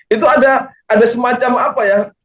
itu ada semacam apa ya